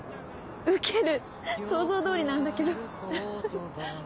ウケる想像通りなんだけど。